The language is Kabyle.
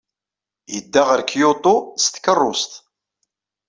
Yedda ɣer Kyoto s tkeṛṛust.